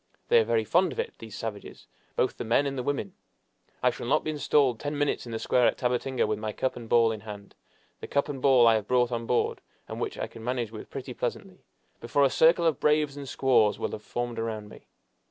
They are very fond of it, these savages, both the men and the women! I shall not be installed ten minutes in the square at Tabatinga, with my cup and ball in hand the cup and ball I have brought on board, and which I can manage with pretty pleasantly before a circle of braves and squaws will have formed around me.